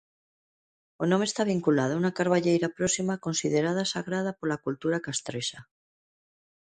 O nome está vinculado a unha carballeira próxima considerada sagrada pola cultura castrexa.